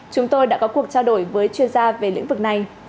chúng tôi đã có cuộc trao đổi với chuyên gia về lĩnh vực này